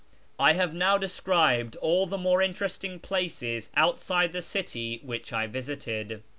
I have now described all the more interesting places outside the city which I visited.